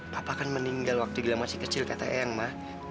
papa kan meninggal waktu gilang masih kecil kata eyang ma